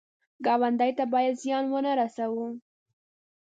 ګاونډي ته باید زیان ونه رسوو